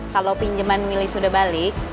kalau pinjaman wilih sudah balik